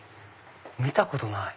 見たことない。